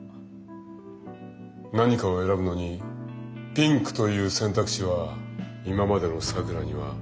何かを選ぶのにピンクという選択肢は今までの咲良にはみじんもなかった。